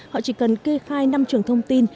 họ chỉ cần kê khai năm trường thông tin